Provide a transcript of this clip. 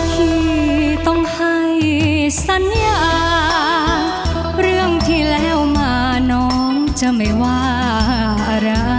พี่ต้องให้สัญญาเรื่องที่แล้วมาน้องจะไม่ว่าอะไร